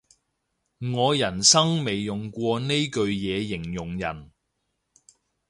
我人生未用過呢句嘢形容人